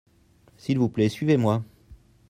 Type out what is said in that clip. s'il vous plait suivez-moi.